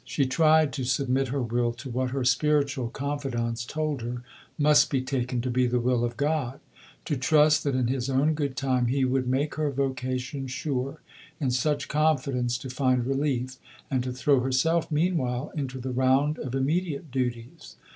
She tried to submit her will to what her spiritual confidantes told her must be taken to be the will of God; to trust that in His own good time He would make her vocation sure; in such confidence to find relief, and to throw herself meanwhile into the round of immediate duties.